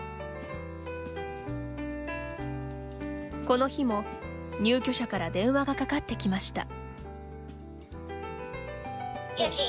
この日も入居者から電話がかかってきました。